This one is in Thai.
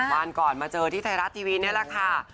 วันก่อนมาเจอที่ไทยรัฐทีวีนี่แหละค่ะ